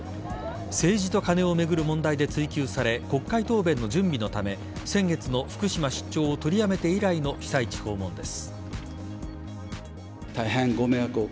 政治とカネを巡る問題で追及され国会答弁の準備のため先月の福島出張を取りやめて以来の被災地訪問です。